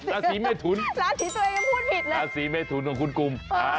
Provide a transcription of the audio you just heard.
ราศีไม่ทุนของคุณกุม